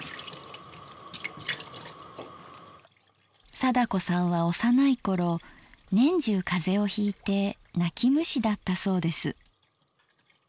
貞子さんは幼い頃年中風邪をひいて泣き虫だったそうです。